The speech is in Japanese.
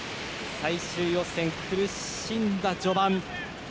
最終予選、苦しんだ序盤。